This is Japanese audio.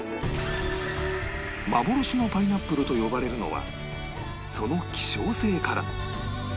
幻のパイナップルと呼ばれるのはその希少性から